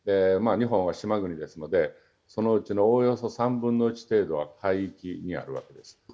日本は島国ですので、そのうちのおおよそ３分の１程度は海域にあるわけです。